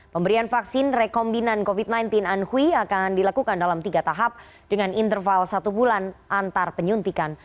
pemberian vaksin rekombinan covid sembilan belas anhui akan dilakukan dalam tiga tahap dengan interval satu bulan antar penyuntikan